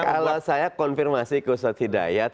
kalau saya konfirmasi ke ustadz hidayat